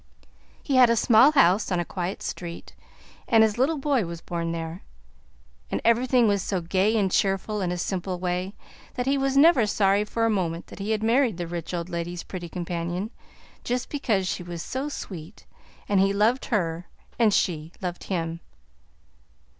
He had a small house on a quiet street, and his little boy was born there, and everything was so gay and cheerful, in a simple way, that he was never sorry for a moment that he had married the rich old lady's pretty companion just because she was so sweet and he loved her and she loved him.